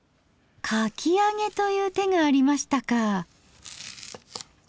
「かき揚げ」という手がありましたか。